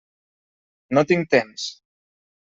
No tinc temps.